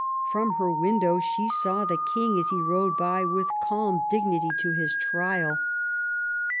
From her window she saw the King as he rode by with calm dignity to Ms trial.